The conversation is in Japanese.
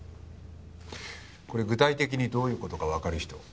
これ具体的にどういう事かわかる人？